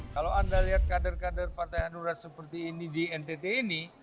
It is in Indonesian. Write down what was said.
kalau anda lihat kader kader partai hanura seperti ini di ntt ini